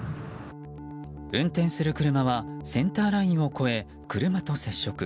運転する車はセンターラインを越え車と接触。